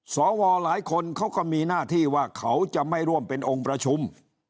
สวหลายคนเขาก็มีหน้าที่ว่าเขาจะไม่ร่วมเป็นองค์ประชุม